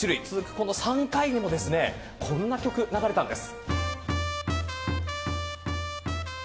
この３回にもこんな曲が流れたんです。